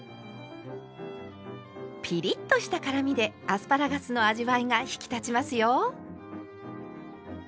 ピリッとした辛みでアスパラガスの味わいが引き立ちますよ。